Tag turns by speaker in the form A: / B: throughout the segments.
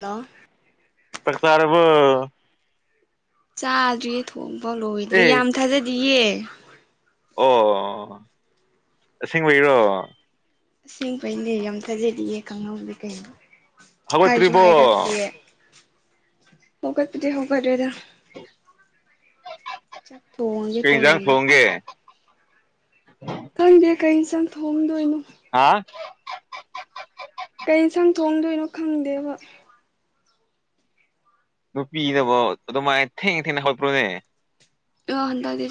A: hello
B: ꯆꯥꯛ ꯆꯥꯔꯕꯣ
A: ꯆꯥꯗ꯭ꯔꯤꯌꯦ ꯊꯣꯡꯕ ꯂꯣꯏꯗ꯭ꯔꯦ
B: ꯑꯦ
A: ꯌꯥꯝ ꯊꯥꯖꯗꯤꯌꯦ
B: ꯑꯣ ꯑꯁꯦꯡꯕ ꯏꯔꯣ
A: ꯑꯁꯦꯡꯕꯩꯅꯦ ꯌꯥꯝ ꯊꯥꯖꯔꯤꯑ ꯀꯥꯡꯍꯧꯁ ꯀꯩꯅꯣ
B: ꯍꯕ
A: ꯍꯥꯏꯁꯨ
B: ꯇ꯭ꯔꯤꯔꯤꯕꯣ
A: ꯍꯒꯗꯤ ꯍꯒꯗ꯭ꯔꯦꯗ ꯆꯠ
B: ꯀꯩꯟꯖꯥꯡ ꯊꯣꯡꯒꯦ
A: ꯈꯪꯗꯦ ꯀꯩ ꯏꯟꯁꯪ ꯊꯣꯡꯗꯣꯏꯅꯣ
B: ꯍꯥ
A: ꯀꯩ ꯌꯦꯟꯁꯥꯡ ꯊꯣꯡꯗꯣꯏꯅꯣ ꯈꯪꯗꯦꯕ
B: ꯅꯨꯄꯤꯅꯐ ꯑꯗꯨꯃꯥꯏꯅ ꯊꯦꯡꯅ ꯊꯦꯡꯅ ꯍꯧꯠꯄ꯭ꯔꯣꯅꯦ
A: ꯑꯣ ꯑꯟꯗ ꯑꯗꯨꯗꯤ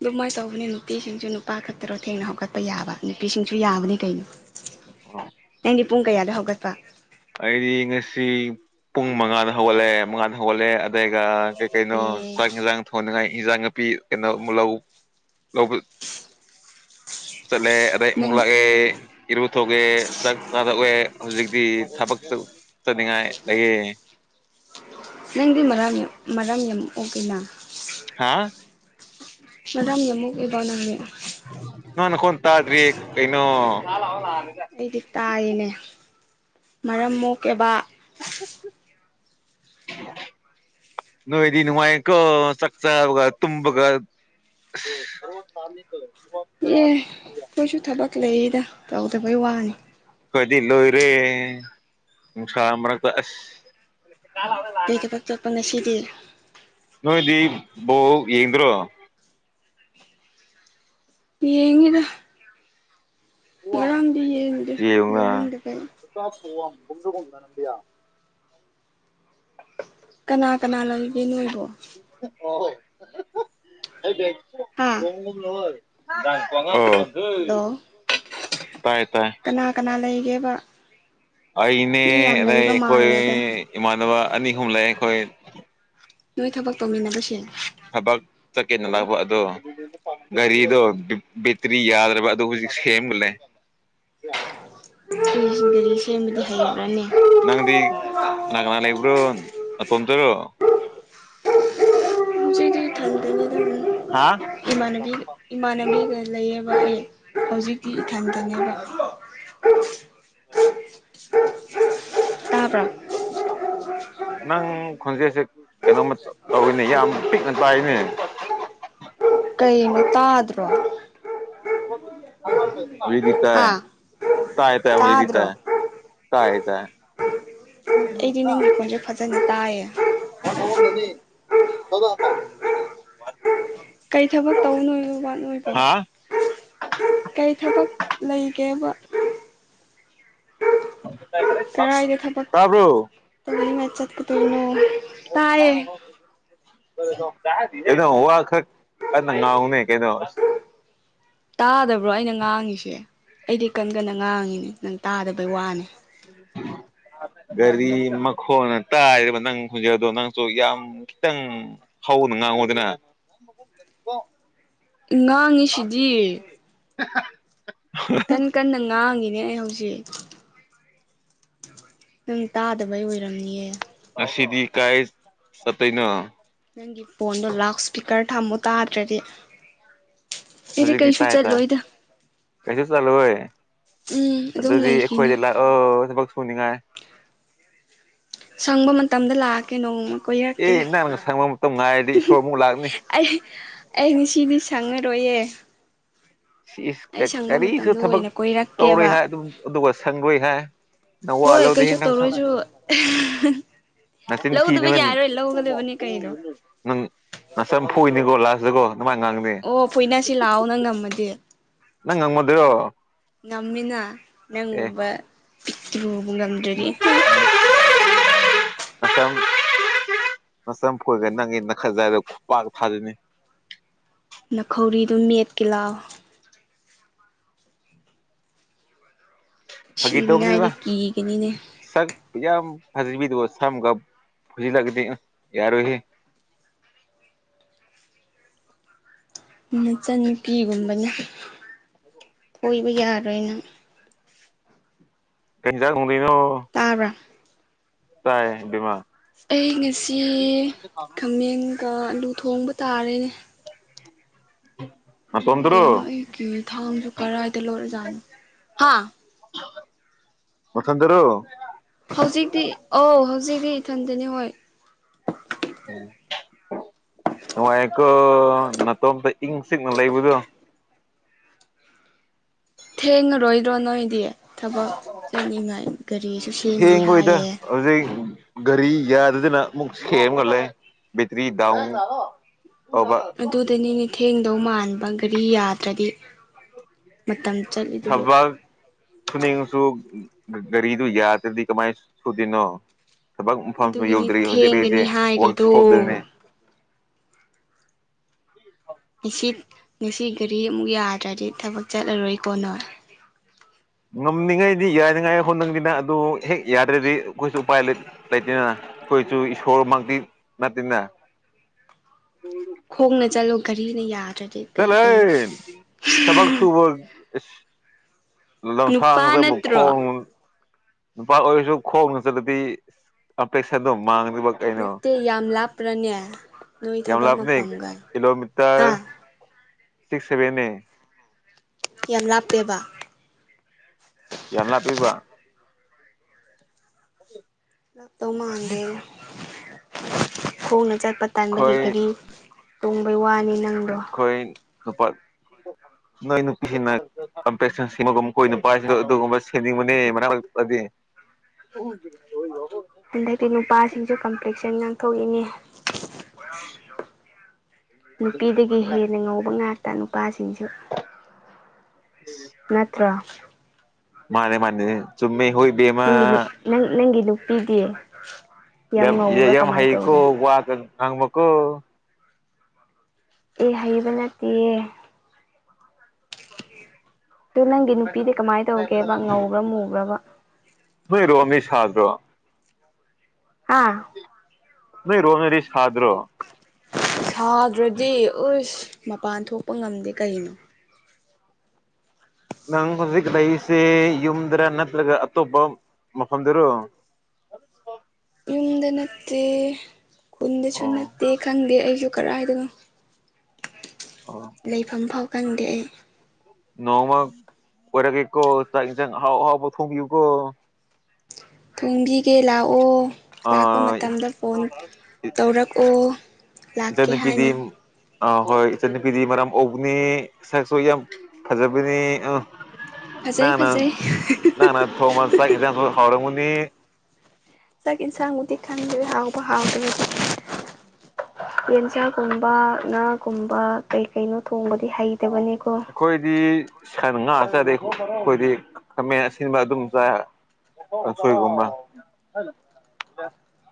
A: ꯑꯗꯨꯃꯥꯏꯅ ꯇꯧꯕꯅꯦ ꯅꯨꯄꯤꯁꯤꯡꯁꯨ ꯅꯨꯄꯥ ꯈꯛꯇꯔꯣ ꯊꯦꯡꯅ ꯍꯧꯒꯠꯄ ꯌꯥꯕ ꯅꯨꯄꯤꯁꯤꯡꯁꯨ ꯌꯥꯕꯅꯤ ꯀꯩꯅꯣ
B: ꯑꯣ
A: ꯅꯪꯗꯤ ꯄꯨꯡ ꯀꯌꯥꯗ ꯍꯧꯒꯠꯄ
B: ꯑꯩꯗꯤ ꯉꯁꯤ ꯄꯨꯡ ꯃꯉꯥꯗ ꯍꯧꯒꯠꯂꯦ ꯃꯉꯥꯗ ꯍꯧꯒꯠꯂꯦ ꯑꯗꯨꯒ ꯩ ꯀꯩꯅꯣ
A: ꯑꯦ
B: ꯆꯥꯛ ꯌꯦꯟꯖꯥꯡ ꯊꯣꯡꯅꯤꯉꯥꯏ ꯏꯟꯖꯥꯡ ꯅꯥꯄꯤ ꯀꯩꯅꯣꯂꯧ ꯂꯧꯕ ꯆꯠꯂꯦ ꯑꯩ ꯃꯛ
A: ꯅꯪ
B: ꯂꯥꯛꯦ ꯏꯔꯨ ꯊꯣꯛꯑꯦ ꯆꯥꯛ ꯆꯥꯗꯣꯛꯑꯦ ꯍꯧꯖꯤꯛꯇꯤ ꯊꯕꯛ ꯆꯅꯤꯡꯉꯥꯏ ꯂꯩꯌꯦ
A: ꯅꯪꯗꯤ ꯃꯔꯥꯡ ꯃꯔꯥꯡ ꯌꯥꯝꯃꯛꯛꯑꯣ ꯀꯦꯅꯥ
B: ꯍꯥ
A: ꯃꯗꯥꯝ ꯌꯦꯃꯨ ꯏꯕꯅ ꯍꯥꯏꯦ
B: ꯅꯅꯈꯣꯟ ꯇꯥꯗ꯭ꯔꯤ ꯀꯩꯅꯣ
A: ꯑꯩꯗꯤ ꯇꯥꯏꯔꯤꯅꯦ ꯃꯔꯝ ꯃꯣꯛꯀꯦꯕ
B: ꯑ ꯅꯣꯏꯗꯅꯤ ꯃꯥꯏ ꯀꯣ ꯁꯛꯆꯥꯒ ꯇꯨꯝꯒ ꯁꯔꯣ ꯆꯥꯃꯤ
A: ꯑꯦ ꯑꯩꯣꯏꯁꯨ ꯊꯕꯛ ꯂꯩꯔꯤꯗ ꯇꯧꯗꯕꯩ ꯋꯥꯅꯤ
B: ꯑꯩꯣꯏꯗꯤ ꯂꯣꯏꯔꯦ ꯅꯨꯡꯁꯥ ꯃꯔꯛꯇ ꯑꯁ
A: ꯀꯩ ꯊꯕꯛ ꯆꯠꯄ ꯉꯁꯤꯗꯤ
B: [unintelligible] ꯅꯣꯏꯗꯤ ꯕꯣꯜ ꯌꯦꯡꯗ꯭ꯔꯣ
A: ꯌꯦꯡꯉꯤꯗ
B: ꯋꯥ
A: ꯉꯔꯥꯡꯗꯤ ꯌꯦꯡꯗꯦ
B: ꯌꯦꯟꯎꯅ
A: ꯌꯦꯡꯅꯤꯡꯗꯕꯩ ꯀꯅꯥ ꯀꯅꯥ ꯂꯩꯒꯦ ꯅꯣꯏꯗꯣ
B: ꯑꯣꯏ
A: ꯍꯥ
B: [unintelligible]
A: ꯍꯜꯂꯣ
B: ꯇꯥꯏ ꯇꯥꯏ
A: ꯀꯅꯥ ꯀꯅꯥ ꯂꯩꯒꯦꯕ
B: ꯑꯩꯅꯦ
A: ꯃꯤ ꯌꯥꯝ
B: ꯑꯗꯩ
A: ꯂꯩꯕ
B: ꯑꯩꯈꯣꯏ
A: ꯃꯥꯜꯂꯦꯗ
B: ꯏꯃꯥꯟꯅꯕ ꯑꯅꯤ ꯑꯍꯨꯝ ꯂꯩ ꯑꯩꯈꯣꯏ
A: ꯅꯣꯏ ꯊꯕꯛ ꯇꯧꯃꯤꯟꯅꯕꯁꯤꯡ
B: ꯊꯕꯛ ꯆꯠꯀꯦꯅ ꯂꯥꯛꯄ ꯑꯗꯣ ꯒꯥꯔꯤꯗꯣ ꯕꯦꯇ꯭ꯔꯤ ꯌꯥꯗ꯭ꯔꯕ ꯑꯗꯨ ꯍꯧꯖꯤꯛ ꯁꯦꯝꯃ ꯂꯩ
A: [unintelligible] ꯒꯔꯤ ꯁꯦꯝꯕꯗꯤ ꯍꯩꯕ꯭ꯔꯔꯅꯦ
B: ꯅꯪꯗꯤ ꯀꯅꯥ ꯀꯅꯥ ꯂꯩꯕ꯭ꯔꯣ ꯅꯇꯣꯝ ꯇꯔꯣ
A: [unintelligible]
B: ꯍꯥ
A: ꯏꯃꯥꯟꯅꯕꯤ ꯏꯃꯥꯟꯅꯕꯤꯒ ꯂꯩꯌꯦꯕ ꯑꯩ ꯍꯧꯖꯤꯛꯇꯤ ꯏꯊꯟꯇꯅꯦꯕ [unintelligible]
B: [inaudible]
A: ꯇꯥꯕ꯭ꯔꯥ
B: [unintelligible] ꯅꯪ ꯈꯣꯟꯁꯤꯁꯦ ꯀꯩꯅꯣꯝꯃ ꯇꯧꯏꯅꯦ ꯌꯥꯝ ꯄꯤꯛꯅ ꯇꯥꯏꯅꯦ
A: ꯀꯩꯅꯣ ꯇꯥꯗ꯭ꯔꯣ
B: [unintelligible] ꯇꯥꯏ
A: ꯍꯥꯥ
B: ꯇꯥꯏ ꯇꯥꯏ ꯍꯧꯖꯤꯛꯇꯤ
A: ꯇꯥꯗ꯭ꯔꯣ
B: ꯇꯥꯏ ꯇꯥꯏ ꯇꯥꯏ
A: ꯆꯪ ꯇꯥꯏꯌꯦ
B: [unintelligible]
A: ꯀꯩ ꯊꯕꯛ ꯇꯧꯕꯅꯣ [unintelligible] ꯅꯣꯏꯕꯣ
B: ꯍꯥ
A: ꯀꯩ ꯊꯕꯛ ꯂꯩꯒꯦꯕ ꯀꯔꯥꯏꯗ ꯊꯕꯛ
B: ꯇꯥꯕ꯭ꯔꯣ
A: ꯇꯧꯅꯤꯡꯉꯥꯏ ꯆꯠꯀꯗꯨꯏꯅꫭ
B: ꯑꯣ [unintelligible] [unintelligible] ꯀꯩꯅꯣ ꯋꯥ ꯈꯛ ꯀꯟꯅ ꯉꯥꯎꯅꯦ ꯀꯩꯅꯣ [inaudible]
A: ꯇꯥꯗꯕ꯭ꯔꯣ ꯑꯩꯅ ꯉꯥꯡꯉꯤꯁꯦ ꯑꯩꯗꯤ ꯀꯟ ꯀꯟꯅ ꯉꯥꯡꯉꯤꯅꯦ ꯅꯪ ꯇꯥꯗꯕꯩ ꯋꯥꯅꯦ
B: [unintelligible] ꯒꯥꯔꯤ ꯃꯈꯣꯅ ꯇꯥꯏꯔꯤꯕ ꯅꯪ ꯈꯣꯟꯖꯦꯜꯗꯣ ꯅꯪꯁꯨ ꯌꯥꯝ ꯈꯤꯇꯪ ꯍꯧꯅ ꯉꯥꯡꯉꯨꯗꯅ [inaudible]
A: ꯉꯥꯡ
B: [unintelligible]
A: ꯀꯟ ꯀꯟꯅ ꯉꯥꯡꯉꯤꯅꯦ ꯑꯩ ꯍꯧꯖꯤꯛ ꯅꯪ ꯇꯥꯗꯕꯩ ꯑꯣꯏꯔꯝꯅꯤꯌꯦ
B: ꯉꯁꯤꯗꯤ ꯀꯥꯏ ꯆꯠꯇꫭꯏꯅꯣ
A: ꯅꯪꯒꯤ ꯐꯣꯟꯗꯣ ꯂꯥꯎꯠ ꯏꯁꯄꯤꯀꯔ ꯊꯝꯃꯨ ꯇꯥꯗ꯭ꯔꯗꯤ ꯑꯩꯗꯤ
B: ꯍꯧꯖꯤꯛꯇꯤ
A: ꯀꯩꯁꯨ
B: ꯇꯥꯏ ꯇꯥꯏ
A: ꯆꯠꯂꯣꯏꯗ
B: ꯀꯩꯁꯨ ꯆꯠꯂꯣꯏ
A: ꯎꯝ ꯑꯗꯨꯝ
B: ꯑꯗꯨꯗꯤ
A: ꯂꯩꯈꯤꯅꯦ
B: ꯑꯩꯈꯣꯏꯗ ꯂꯥꯛ ꯑꯣ ꯊꯕꯛ ꯁꯨꯅꯤꯉꯥꯏ
A: ꯁꯪꯕ ꯃꯇꯝꯗ ꯂꯥꯛꯀꯦ ꯅꯣꯡꯃ ꯀꯣꯏꯔꯛꯀꯦ
B: ꯑꯦ ꯅꯪꯅ ꯁꯪꯕ ꯃꯇꯝ ꯉꯥꯏꯔꯗꯤ ꯏꯁꯣꯔ ꯑꯃꯨꯛ ꯂꯥꯛꯅꯤ
A: ꯑꯩ ꯑꯩ ꯉꯁꯤꯗꯤ ꯁꯪꯉꯔꯣꯏꯌꯦ
B: ꯁꯤꯁ
A: ꯑꯩ ꯁꯪꯕ
B: ꯀꯔꯤꯁꯨ
A: ꯃꯇꯝꯗ
B: ꯊꯕꯛ
A: ꯑꯣꯏꯅ
B: ꯇꯧꯔꯣꯏ
A: ꯀꯣꯏꯔꯛꯀꯦꯕ
B: ꯍꯥꯏ ꯑꯗꯨꯒ ꯁꯪꯔꯣꯏ ꯍꯥꯏ ꯅꯪ ꯋꯥ
A: ꯍꯣꯏ
B: ꯂꯧꯗꯦꯍꯦ
A: ꯀꯩꯁꯨ
B: ꯅꯪ ꯁꯝ
A: ꯇꯧꯔꯣꯏꯁꯨ
B: ꯅꯆꯤꯟ
A: ꯂꯧꯗꯕ
B: ꯊꯤꯅꯕ
A: ꯌꯥꯏꯔꯣꯏ ꯂꯧꯒꯗꯕꯅꯦ ꯀꯩꯅꯣ
B: ꯅꯪ ꯅꯁꯔ ꯐꯣꯏꯅꯤꯀꯣ ꯂꯥꯛꯁꯤꯗꯒꯣ ꯅꯨꯡꯃꯥꯏꯅ ꯉꯥꯡꯅꯦ
A: ꯑꯣ ꯐꯣꯏꯅꯁꯤ ꯂꯥꯛꯑꯣ ꯅꯪ ꯉꯝꯃꯗꯤ
B: ꯅꯪ ꯉꯝꯃꯗꯔꯣ
A: ꯉꯝꯃꯤꯅ
B: ꯑꯦ
A: ꯅꯪꯒꯨꯝꯕ ꯂꯨꯕ ꯉꯝꯗ꯭ꯔꯗꯤ ꯍꯥ
B: ꯑꯝ ꯃꯆꯝ ꯐꯣꯏꯈ ꯅꯪꯒꯤ ꯅꯈꯠꯖꯏꯗ ꯈꯨꯄꯥꯛꯥꯛ ꯊꯥꯗꯣꯏꯅꯤ
A: ꯈꯧꯔꯤꯗꯨꯣ ꯃꯦꯠꯀꯦ ꯂꯥꯎꯑꯣ
B: ꯐꯒꯤ
A: ꯁꯤꯅꯤꯉꯥꯏꯗꯤ
B: ꯇꯕꯅꯤꯕ
A: ꯀꯤꯒꯅꯤꯅꯦ
B: ꯁꯛ ꯌꯥꯝ ꯐꯖꯤꯕꯤꯗꯨꯣ ꯁꯝꯒ ꯐꯖꯤꯂꯛ ꯌꯥꯔꯣꯏꯍ
A: ꯃꯆꯟꯅꯨꯄꯤꯒꯨꯝꯕꯅ ꯊꯣꯏꯕ ꯌꯥꯔꯣꯏꯅ
B: ꯀꯩꯖꯥꯒꯨꯝꯗꯅꯣ
A: ꯇꯥꯕ꯭ꯔꯥ
B: ꯇꯥꯏ ꯗꯤꯃꯥ
A: ꯑꯩ ꯉꯁꯤ ꯈꯥꯃꯦꯟꯒ ꯑꯂꯨ ꯊꯣꯡꯕ ꯇꯥꯔꯦꯅꯦ
B: [inaudible]
A: ꯀꯩꯅꯣ ꯑꯩꯒꯤ ꯊꯥꯡꯁꯨ ꯀꯗꯥꯥꯏꯗ ꯂꯧꯔꯖꯥꯠꯅꯣ ꯍꯥ
B: ꯃꯊꯟꯗꯔꯣ
A: ꯍꯧꯖꯤꯛꯇꯤ ꯑꯧ ꯍꯧꯖꯤꯛꯇꯤ ꯏꯊꯟꯇꯅꯤ ꯍꯣꯏ
B: ꯎ ꯅꯨꯡꯉꯥꯏꯀꯣ ꯅꯇꯣꯝꯇ ꯏꯪ ꯁꯤꯤꯛꯅ ꯂꯩꯕꯗꯣ
A: ꯊꯦꯡꯉꯔꯣꯏꯗ꯭ꯔꯣ ꯅꯣꯏꯗꯤ ꯊꯕꯛ ꯆꯠꯂꯤꯉꯥꯏ ꯒꯥꯔꯤꯁꯨ ꯁꯦꯝꯜꯂꯤ
B: ꯊꯦꯡꯈꯣꯏꯗ
A: ꯍꯥꯏꯌꯦ
B: ꯍꯧꯖꯤꯛ ꯒꯥꯔꯤ ꯌꯥꯗꯗꯅ ꯑꯃꯨꯛ ꯁꯦꯝꯒꯂꯦ ꯕꯇꯔꯤ ꯎ ꯑꯣꯕ
A: ꯑꯗꯨꯗꯅꯤꯅꯦ ꯊꯦꯡꯗꯧ ꯃꯥꯟꯕ ꯒꯥꯔꯤ ꯌꯥꯗ꯭ꯔꯗꯤ ꯃꯇꯝ ꯆꯠꯂꯤꯗꯨꯕꯨ
B: ꯁꯨꯅꯤꯡꯁꯨ ꯒꯥꯔꯤꯗꯨ ꯌꯥꯗ꯭ꯔꯗꯤ ꯀꯃꯥꯏ ꯁꯨꯗꯣꯏꯅꯣ ꯊꯕꯛ ꯃꯐꯝꯁꯨ
A: ꯑꯗꯨꯒꯤꯅꯤ
B: ꯌꯧꯗ꯭ꯔꯤ ꯍꯧꯖꯤꯛ ꯑꯩꯁꯦ
A: ꯊꯦꯡꯒꯅꯤ ꯍꯥꯏꯔꯤꯗꯣ
B: ꯋꯔꯛꯁꯣꯞꯇꯅꯦ
A: ꯉꯁꯤ ꯉꯁꯤ ꯒꯥꯔꯤ ꯑꯃꯨꯛ ꯌꯥꯗ꯭ꯔꯗꯤ ꯊꯕꯛ ꯆꯠꯂꯔꯣꯏ ꯀꯣꯅꯣ
B: ꯉꯝꯅꯤꯡꯉꯥꯏꯗꯤ ꯌꯥꯅꯤꯉꯥꯏ ꯍꯣꯠꯅꯤꯡꯅꯤꯅ ꯑꯗꯨ ꯍꯦꯛ ꯌꯥꯗ꯭ꯔꯗꯤ ꯑꯩꯈꯣꯏꯁꯨ ꯎꯄꯥꯏ ꯂꯩ ꯂꯩꯇꯦꯅ ꯑꯩꯈꯣꯏꯁꯨ ꯏꯁꯣꯔ ꯃꯥꯡꯛꯇꯤ ꯅꯠꯇꯦꯅ
A: ꯈꯣꯡꯅ ꯆꯠꯂꯣ ꯒꯥꯔꯤꯅ ꯌꯥꯔ
B: ꯆꯂ ꯊꯕꯛꯁꯨꯕ ꯂꯝꯁꯪ
A: ꯅꯨꯄꯥ
B: ꯆꯕꯨ
A: ꯅꯠꯇ꯭ꯔꯣ
B: ꯈꯣꯡ ꯅꯨꯄꯥ ꯑꯣꯏꯔꯁꯨ ꯈꯣꯡꯅ ꯆꯠꯂꯗꯤ ꯑꯄꯦꯛꯁꯟ ꯑꯗꯨꯝ ꯃꯥꯡ
A: ꯅꯠꯇꯦ ꯌꯥꯝ ꯂꯥꯞꯄ꯭ꯔꯅꯦ ꯅꯣꯏ
B: ꯌꯥꯝ
A: ꯊꯕꯛ
B: ꯂꯥꯞꯄꯅꯦ
A: ꯃꯐꯝꯒ ꯑꯥ
B: ꯀꯤꯂꯣꯃꯤꯇꯔ ꯁꯤꯛꯁ ꯁꯕꯦꯟ ꯑꯦ
A: ꯌꯥꯝ ꯂꯥꯞꯄꯦꯕ
B: ꯌꯥꯝ ꯂꯥꯞꯄꯤꯕ
A: ꯂꯥꯛꯇꯧ ꯃꯥꯟꯗꯦ ꯈꯣꯡꯅ ꯆꯠꯄ ꯇꯟꯥꯟꯕꯒꯤ
B: ꯑꯩꯈꯣꯏ
A: ꯀꯔꯤ ꯇꯣꯡꯕꯩ ꯋꯥꯅꯤ ꯅꯪꯗꯣ
B: ꯑꯩꯈꯣꯏ ꯅꯨꯄꯥ ꯅꯣꯏ ꯅꯨꯄꯤꯁꯤꯡꯅ ꯀꯝꯄꯤꯟ ꯁꯤꯃꯒꯨꯝ ꯀꯣꯏ ꯅꯨꯄꯥꯁꯤꯗ ꯑꯗꯨꯒꯨꯝꯕ ꯁꯦꯝꯅꯤꯡꯕꯅꯦ ꯃꯔꯛꯗꯤ ꯍꯖꯤ
A: ꯑꯟꯗꯛꯇꯗꯤ ꯅꯨꯄꯥꯁꯤꯡꯁꯨ ꯀꯝꯄ꯭ꯂꯤꯁꯟ ꯉꯥꯡꯊꯣꯛꯏꯅꯦ
B: [inaudible]
A: ꯅꯨꯄꯤꯗꯒꯤ ꯍꯦꯟꯅ ꯉꯧꯕ ꯉꯥꯛꯇ ꯅꯨꯄꯥꯁꯤꯡꯁꯨ
B: ꯎꯝ
A: ꯅꯠꯇ꯭ꯔꯥ
B: ꯃꯥꯅꯦ ꯃꯥꯅꯦ ꯆꯃꯦ ꯍꯣꯏꯃ
A: ꯅ ꯅꯪꯒꯤ ꯅꯨꯄꯤꯗꯤꯌꯦ
B: ꯌꯦ ꯍꯩꯀꯣ ꯋꯥ ꯀ ꯉꯪꯃꯀꯣ
A: ꯑꯦ ꯍꯩꯕ ꯇꯠꯇꯤꯌꯦ ꯑꯗꯨ ꯅꯪꯒꯤ ꯅꯨꯄꯤꯗꯤ ꯀꯃꯥꯏꯅ ꯇꯧꯒꯦꯕ ꯉꯧꯕ꯭ꯔꯥ ꯃꯨꯕ꯭ꯔꯕ
B: ꯅꯣꯏꯔꯣ ꯃꯤ ꯁꯥꯗ꯭ꯔꯣ
A: ꯍꯥꯥ
B: ꯅꯣꯏ ꯔꯣꯅꯔꯤ ꯁꯥꯗ꯭ꯔꯣ
A: ꯁꯥꯗ꯭ꯔꯗꯤ ꯎꯁ ꯃꯄꯥꯟ ꯊꯣꯛꯄ ꯉꯝꯗꯦ ꯀꯩꯅꯣ
B: ꯅꯪ ꯍꯧꯖꯤꯛ ꯂꯩꯔꯤꯁꯦ ꯌꯨꯝꯗꯔ ꯅꯠꯇ꯭ꯔꯒ ꯑꯇꯣꯞꯄ ꯃꯐꯝꯗꯨꯔꯣ
A: ꯌꯨꯝꯗ ꯅꯠꯇꯦ ꯈꯨꯟꯗꯁꯨ
B: ꯑꯣ
A: ꯅꯠꯇꯦ ꯈꯪꯗꯦ ꯑꯩꯁꯨ ꯀꯔꯏꯗꯅꯣ
B: ꯑꯣ
A: ꯂꯩꯐꯝꯐꯥꯎ ꯀꯪꯗꯦ ꯑꯩ
B: ꯅꯣꯡꯃ ꯑꯣꯏꯔꯛꯒꯦꯀꯣ ꯆꯥꯛ ꯌꯦꯟꯁꯥꯡ ꯑꯍꯥꯎ ꯑꯍꯥꯎꯕ ꯊꯣꯡꯕꯤꯌꯨꯀꯣ
A: ꯊꯣꯡꯕꯤꯒꯦ ꯂꯥꯛꯑꯣ ꯂꯥꯛꯄ
B: ꯑꯥ
A: ꯃꯇꯝꯗ ꯐꯣꯟ ꯇꯧꯔꯛꯑꯣ ꯂꯥꯛꯀꯦ
B: ꯏꯆꯟꯅꯨꯄꯤꯗꯤ
A: ꯍꯥꯏꯅ
B: ꯑꯥ ꯍꯣꯏ ꯏꯆꯟꯅꯨꯄꯤꯗꯤ ꯃꯔꯝ ꯎꯧꯕꯅꯤ ꯁꯛꯁꯨ ꯌꯥꯝ ꯐꯖꯕꯅꯤ ꯑ
A: ꯐꯖꯩ ꯐꯖꯩ
B: ꯅꯅꯥ ꯊꯣꯡꯕ ꯆꯥꯛ ꯏꯟꯁꯥꯡꯗꯨ ꯍꯥꯎꯔꯝꯒꯅꯤ
A: ꯆꯥꯛ ꯌꯦꯟꯁꯥꯡꯃꯨꯛꯇꯤ ꯈꯪꯗꯦ ꯍꯥꯎꯕ ꯍꯥꯎꯗꯅꯤ ꯌꯦꯟꯁꯥꯛꯒꯨꯝꯕ ꯉꯥꯒꯨꯝꯕ ꯀꯩ ꯀꯩꯅꯣ ꯊꯣꯡꯕꯗꯤ ꯍꯩꯇꯕꯅꯤꯀꯣ
B: ꯑꯩꯈꯣꯏꯗꯤ ꯁꯟ ꯉꯥ ꯆꯥꯗꯦ ꯑꯩꯈꯣꯏꯗꯤ ꯈꯥꯃꯦꯟ ꯑꯁꯤꯟꯕ ꯑꯗꯨꯝ ꯆꯥꯏ ꯁꯣꯏ ꯀꯨꯝꯕ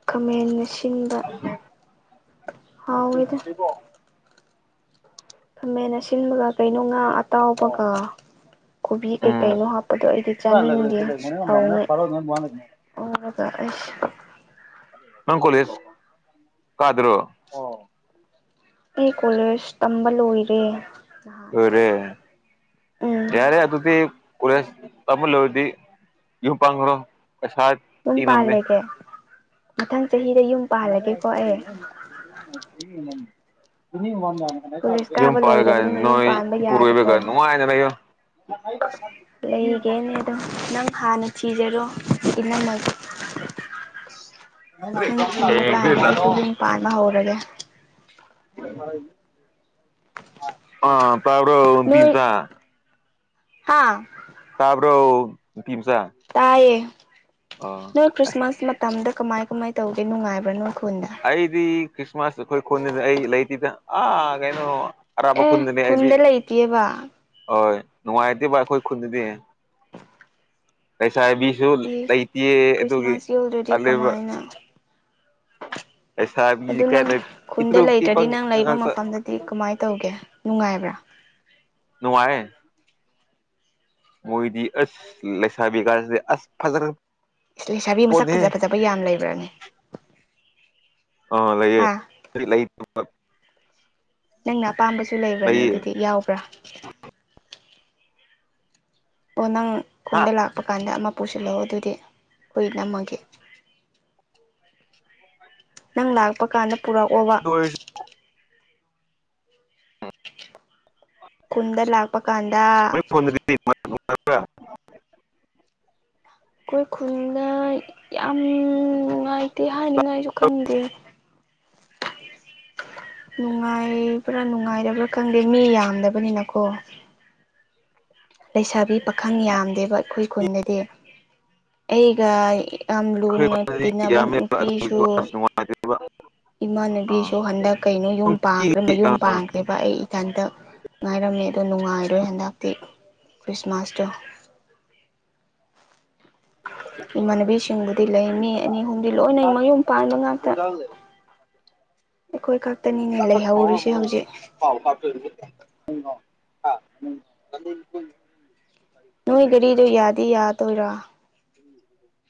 A: ꯈꯥꯃꯟꯅ ꯁꯤꯟꯕ ꯍꯥꯎꯋꯦꯗ ꯈꯃꯦꯟ ꯑꯁꯤꯟꯕꯒ ꯀꯩꯅꯣ ꯉꯥ ꯑꯇꯥꯎꯕꯒ ꯀꯣꯕꯤ
B: ꯎꯝ
A: ꯀꯩꯀꯩꯅꯣ ꯍꯥꯞꯄꯗꯣ ꯑꯩꯗꯤ ꯆꯥꯅꯤꯡꯗꯦ ꯊꯑꯣꯅ [unintelligible]
B: ꯅꯪ ꯀꯣꯂꯁ ꯀꯥꯗ꯭ꯔꯣ
A: ꯑꯩ ꯀꯣꯂꯦꯖ ꯇꯝꯕ ꯂꯣꯏꯔꯦ ꯅꯍꯥꯟ
B: ꯂꫭꯏꯔꯦ
A: ꯎꯝ
B: ꯌꯥꯔꯦ ꯑꯗꯨꯗꯤ ꯀꫭꯂꯁ ꯇꯝꯕ ꯂꫭꯏꯔꯗꯤ ꯌꯣ ꯄꯥꯡꯈ꯭ꯔꯣ ꯀꯁꯥꯏꯠ
A: ꯌꯨꯝ ꯄꯥꯜꯂꯒꯦ ꯃꯊꯪ ꯆꯍꯤꯗ ꯌꯨꯝ ꯄꯥꯜꯂꯒꯦꯀꯣ ꯑꯩ ꯀꯣꯂꯦꯖ
B: [unintelligible] ꯌꯨꯝ
A: ꯀꯥꯕ
B: ꯄꯥꯜꯂꯒ
A: ꯂꯣꯏꯔꯕꯅꯤꯅ ꯌꯨꯝ
B: ꯅꯣꯏ
A: ꯄꯥꯟꯕ ꯌꯥꯔꯦꯀꯣ
B: ꯏꯄꯨꯔꯣꯏꯕꯒ ꯅꯨꯡꯉꯥꯏꯗꯅꯌꯣ [unintelligible]
A: ꯀꯤꯒꯦꯅꯦ ꯑꯗꯨꯝ ꯅꯪ ꯍꯥꯟꯅ ꯊꯤꯖꯔꯣ ꯏꯅꯝꯃꯒ ꯅꯪ ꯊꯤꯔꯀꯥꯟꯗ ꯑꯩꯁꯨ ꯌꯨꯝ ꯄꯥꯟꯕ ꯍꯧꯔꯒꯦ
B: ꯑ ꯇꯥꯕꯔꯣ ꯇꯤꯟꯆ
A: ꯍꯥꯥ
B: ꯇꯥꯕ꯭ꯔꯣ ꯇꯤꯝꯆꯥꯥ
A: ꯇꯥꯏꯌꯦ
B: ꯑꯣ
A: ꯅꯣꯏ ꯈ꯭ꯔꯤꯁꯃꯥꯁ ꯃꯇꯝꯗ ꯀꯃꯥꯏ ꯀꯃꯥꯏ ꯇꯧꯒꯦ ꯅꯨꯡꯉꯥꯏꯕ꯭ꯔꯥ ꯅꯪꯈꯣꯟꯗ
B: ꯑꯩꯗꯤ ꯈ꯭ꯔꯤꯁꯃꯥꯁ ꯑꯩꯈꯣꯏ ꯈꯨꯣꯟꯗ ꯑꯩ ꯂꯩꯇꯦꯗ ꯑꯥ ꯀꯩꯅꯣ ꯑꯔꯥꯞꯄ
A: ꯑꯦ
B: ꯈꯨꯟꯗꯅꯤ ꯍꯥꯏꯗꯤ
A: ꯈꯨꯟꯗ ꯂꯩꯇꯦꯕ
B: ꯍꯣꯏ ꯅꯨꯡꯉꯥꯏꯇꯦꯕ ꯑꯩꯈꯣꯏ ꯈꯨꯟꯗꯗꯤ ꯂꯩꯁꯥꯏꯕꯤ ꯁꯨ ꯂꯩꯇꯦ
A: ꯈ꯭ꯔꯤꯁꯃꯥꯁ ꯌꯧꯗ꯭ꯔꯗꯤ
B: ꯑꯗꯨꯒꯤꯕ
A: ꯀꯃꯥꯏꯅ ꯑꯗꯨ
B: ꯂꯩꯁꯥꯕꯤꯅꯤ
A: ꯅꯪ
B: ꯀꯥꯏꯅ
A: ꯈꯨꯟꯗ
B: ꯏꯇ꯭ꯔꯨꯞ
A: ꯂꯩꯇ꯭ꯔꯗꯤ
B: ꯏꯄꯪ
A: ꯅꯪ ꯂꯩꯕ
B: ꯉꯥꯛꯇ
A: ꯃꯐꯝꯗꯗꯤ ꯀꯃꯥꯏꯅ ꯇꯧꯒꯦ ꯅꯨꯡꯉꯥꯏꯕ꯭ꯔꯥ
B: ꯅꯨꯡꯉꯥꯏ ꯃꯣꯏꯗꯤ ꯑꯁ ꯂꯩꯁꯥꯕꯤ ꯀꯥꯁꯤꯦ ꯑꯁ ꯐꯖꯔ
A: ꯂꯩꯁꯥꯕꯤ ꯃꯁꯛ
B: ꯄꯣꯠꯅꯤꯍꯦ
A: ꯐꯖ ꯐꯖꯕ ꯌꯥꯝ ꯂꯩꯕ꯭ꯔꯅꯦ
B: ꯑꯥ ꯂꯩꯌꯦ
A: ꯍꯥ
B: ꯂꯩ
A: ꯅꯪꯅ ꯑꯄꯥꯝꯕꯁꯨ ꯂꯩꯕ꯭ꯔꯅꯦ
B: ꯂꯩꯌꯦ
A: ꯑꯗꯨꯗꯤ ꯌꯥꯎꯕ꯭ꯔꯥ ꯑꯣ ꯅꯪ
B: ꯍꯥ
A: ꯈꯨꯟꯗ ꯂꯥꯛꯄ ꯀꯥꯟꯗ ꯑꯃ ꯄꯨꯁꯤꯜꯂꯣ ꯑꯗꯨꯗꯤ ꯑꯩꯈꯣꯏ ꯅꯝꯃꯒꯦ ꯅꯪ ꯂꯥꯛꯄ ꯀꯥꯟꯗ ꯄꯨꯔꯛ ꯑꯣ
B: ꯑꯣꯏ
A: ꯈꯨꯟꯗ ꯂꯥꯛꯄ ꯀꯥꯟꯗ
B: ꯎ
A: ꯑꯩꯈꯣꯏ ꯈꯨꯜꯗ ꯌꯥꯝ ꯅꯨꯡꯉꯥꯏꯇꯦ
B: ꯑꯩꯈꯣꯏ
A: ꯍꯥꯏꯅꯤꯡꯉꯥꯏ ꯑꯩꯁꯨ ꯈꯪꯗꯦ
B: [unintelligible]
A: ꯅꯨꯡꯉꯥꯏꯕ꯭ꯔꯥ ꯅꯨꯡꯉꯥꯏꯔꯕ꯭ꯔꯥ ꯈꯪꯗꯦ ꯃꯤ ꯌꯥꯝꯗꯕꯅꯤꯅꯀꯣ
B: [unintelligible]
A: ꯂꯩꯁꯥꯕꯤ ꯄꯥꯈꯪ ꯌꯥꯝꯗꯦꯕ ꯑꯩꯈꯣꯏ ꯈꯨꯟꯗꯗꯤ ꯑꯩꯒ ꯌꯥꯝ ꯂꯨꯅ
B: ꯀꯣꯟꯗꯗꯤ
A: ꯇꯤꯟꯅꯕ
B: ꯌꯥꯝꯃꯦꯕ ꯑꯗꯨꯒꯤ
A: ꯅꯨꯄꯤꯁꯨ
B: ꯀ꯭ꯂꯥꯁ ꯅꯨꯡꯉꯥꯏꯇꯦꯕ ꯑꯥ
A: ꯏꯃꯥꯟꯅꯨꯕꯤꯁꯨ ꯍꯟꯗꯛ ꯀꯩꯅꯣ ꯌꯨꯝ ꯄꯥꯡꯈ꯭ꯔꯦ
B: ꯅꯨꯡꯇꯤꯒꯤ ꯑ
A: ꯃꯌꯨꯝ ꯄꯥꯟꯈ꯭ꯔꯦ ꯕ ꯑꯩ ꯏꯊꯟꯇ ꯉꯥꯏꯔꯝꯃꯦ ꯑꯗꯣ ꯅꯨꯡꯉꯥꯏꯔꯣꯏ ꯍꯟꯗꯛꯇꯤ ꯈ꯭ꯔꯤꯁꯃꯥꯁꯇꯣ ꯏꯃꯥꯟꯅꯕꯤꯁꯤꯡꯕꯨꯗꯤ ꯂꯩ ꯃꯤ ꯑꯅꯤ ꯑꯍꯨꯝꯗꯤ ꯂꯣꯏꯅ ꯃꯌꯨꯝ ꯄꯥꯟꯕ ꯉꯥꯛꯇ ꯑꯩꯈꯣꯏ ꯈꯛꯇꯅꯤꯅꯦ ꯂꯩꯍꯧꯔꯤꯁꯦ ꯍꯧꯖꯤꯛ
B: ꯍꯥꯎ ꯐꯥꯎꯣ
A: ꯅꯣꯏ ꯒꯥꯔꯤꯗꯣ ꯌꯥꯗꯤ ꯌꯥꯗꯣꯏꯔꯥ
B: ꯎꯝ